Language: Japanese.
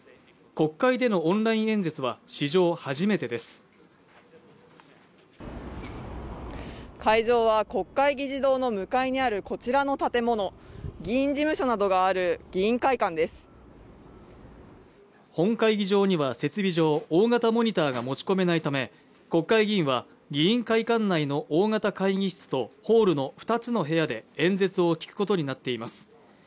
国会でのオンライン演説は史上初めてです会場は国会議事堂の向かいにあるこちらの建物議員事務所などがある議員会館です本会議場には設備上大型モニターが持ち込めないため国会議員は議員会館内の大型会議室とホールの２つの部屋で演説を聞くことになっています